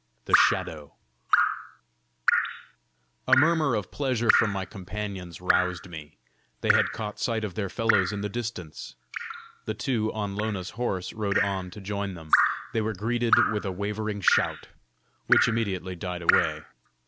THE SHADOW A murmur of pleasure from my companions roused me: they had caught sight of their fellows in the distance! The two on Lona's horse rode on to join them. They were greeted with a wavering shout which immediately died away.